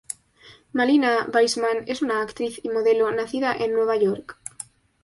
Malina Weissman es una actriz y modelo nacida en Nueva York.